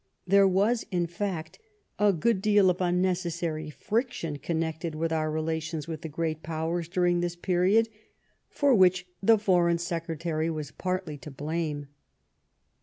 There was, in fact, a good deal of unnecessary friction connected with our relations with the Great Powers during this period, for which the Foreign Secretary was partly to blame.